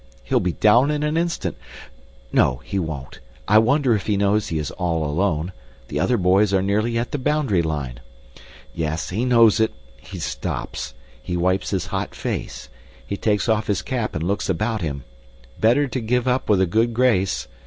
He'll be down in an instant; no, he won't. I wonder if he knows he is all alone; the other boys are nearly at the boundary line. Yes, he knows it. He stops! He wipes his hot face. He takes off his cap and looks about him. Better to give up with a good grace.